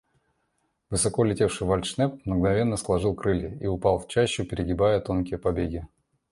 Высоко летевший вальдшнеп мгновенно сложил крылья и упал в чащу, пригибая тонкие побеги.